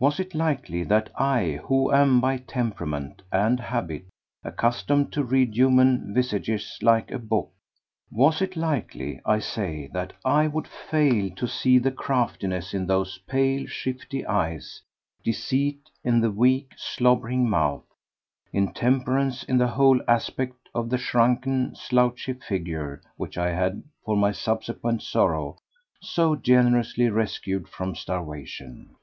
Was it likely that I, who am by temperament and habit accustomed to read human visages like a book, was it likely, I say, that I would fail to see craftiness in those pale, shifty eyes, deceit in the weak, slobbering mouth, intemperance in the whole aspect of the shrunken, slouchy figure which I had, for my subsequent sorrow, so generously rescued from starvation?